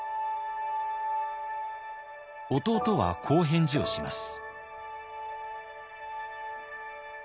弟はこう返事をします。